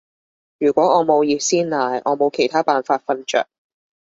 如果我冇熱鮮奶，我冇其他辦法瞓着